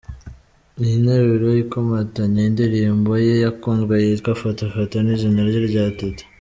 Iyi nteruro ikomatanya indirimbo ye yakunzwe yitwa Fata fata n’izina rye rya Teta.